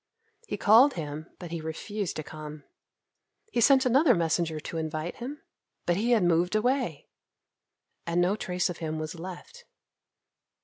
He called him, but he refused to come. He sent another messenger to invite him, but he had moved away and no trace of him was left.